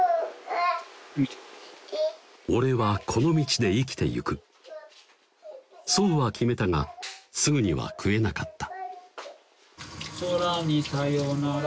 俺はこの道で生きてゆくそうは決めたがすぐには食えなかった「そらにさよなら」